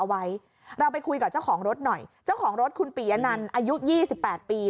เอาไว้เราไปคุยกับเจ้าของรถหน่อยเจ้าของรถคุณปียะนันอายุยี่สิบแปดปี